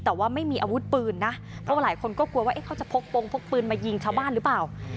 แต่ว่าไม่มีอาวุธปืนนะเพราะว่าหลายคนก็กลัวว่าเขาจะพกโปรงพกปืนมายิงชาวบ้านหรือเปล่า